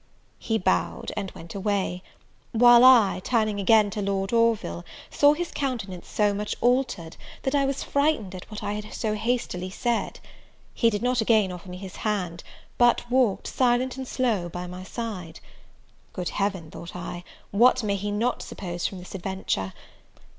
He bowed, and went away; while I, turning again to Lord Orville, saw his countenance so much altered, that I was frightened at what I had so hastily said. He did not again offer me his hand; but walked, silent and slow, by my side. Good Heaven! thought I, what may he not suppose from this adventure?